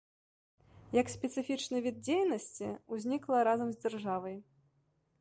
Як спецыфічны від дзейнасці ўзнікла разам з дзяржавай.